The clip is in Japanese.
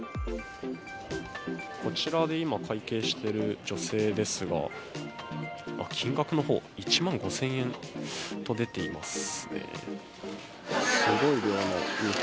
こちらで今、会計している女性ですが金額の方１万５０００円と出ていますね。